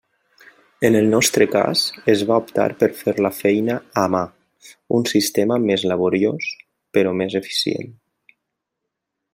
En el nostre cas, es va optar per fer la feina “a mà”, un sistema més laboriós però més eficient.